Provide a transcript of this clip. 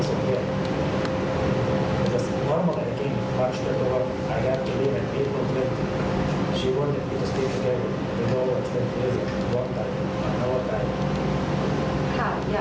เอาทุกงานบกันดูนอนให้รู้ใจ